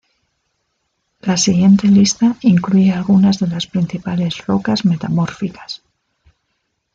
La siguiente lista incluye algunas de las principales rocas metamórficas.